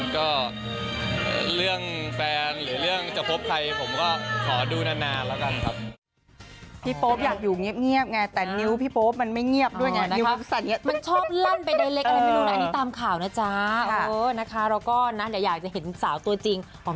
ก็เรื่องแฟนหรือเรื่องจะพบใครผมก็ขอดูนานแล้วกันครับ